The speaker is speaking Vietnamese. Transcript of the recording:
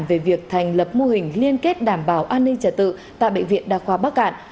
về việc thành lập mô hình liên kết đảm bảo an ninh trả tự tại bệnh viện đa khoa bắc cạn